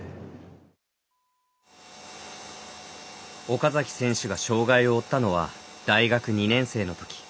岡崎選手が障がいを負ったのは大学２年生のとき。